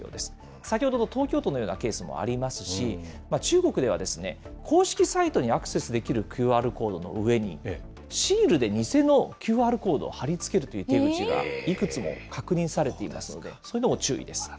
先ほどの東京都のようなケースもありますし、中国ではですね、公式サイトにアクセスできるＱＲコードの上に、シールで偽のＱＲコードを貼り付けるという手口がいくつも確認されていますので、そういうのも注意です。